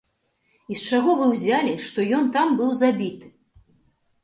І з чаго вы ўзялі, што ён там быў забіты?